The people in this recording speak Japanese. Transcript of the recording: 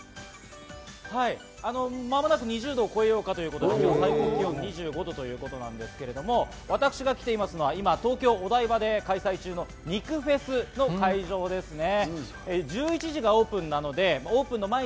間もなく２０度を超えようかということで、最高気温２５度ということですけど、今来ていますのは、肉フェスの会場ですね。